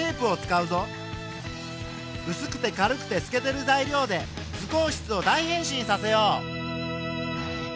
うすくて軽くてすけてる材料で図工室を大変身させよう。